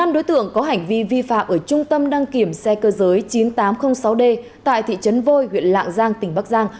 năm đối tượng có hành vi vi phạm ở trung tâm đăng kiểm xe cơ giới chín nghìn tám trăm linh sáu d tại thị trấn vôi huyện lạng giang tỉnh bắc giang